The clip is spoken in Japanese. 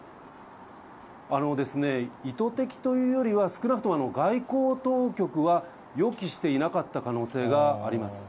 あのですね、意図的というよりは、少なくとも外交当局は予期していなかった可能性があります。